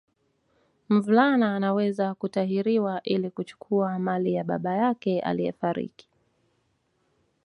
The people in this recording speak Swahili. Mvulana anaweza kutahiriwa ili kuchukua mali ya baba yake aliyefariki